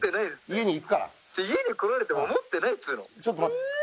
「家に来られても持ってないっつうの」